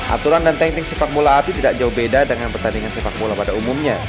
aturan dan teknik sepak bola api tidak jauh beda dengan pertandingan sepak bola pada umumnya